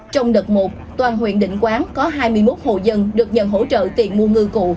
trong đợt một toàn huyện định quán có hai mươi một hộ dân được nhận hỗ trợ tiền mua ngư cụ